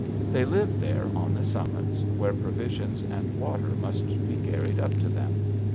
They live there on the summits, where provisions and water must be carried up to them.